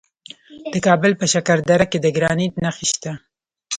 د کابل په شکردره کې د ګرانیټ نښې شته.